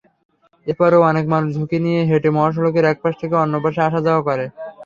এরপরও অনেক মানুষ ঝুঁকি নিয়ে হেঁটে মহাসড়কের একপাশ থেকে অন্যপাশে আসা-যাওয়া করে।